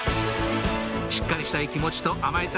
しっかりしたい気持ちと甘えたい気持ち